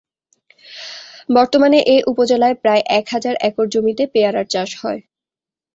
বর্তমানে এ উপজেলায় প্রায় এক হাজার একর জমিতে পেয়ারার চাষ হয়।